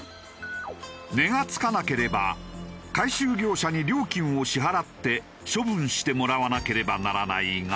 値が付かなければ回収業者に料金を支払って処分してもらわなければならないが。